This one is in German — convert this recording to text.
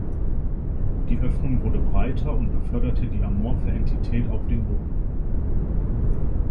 Die Öffnung wurde breiter und beförderte die amorphe Entität auf den Boden.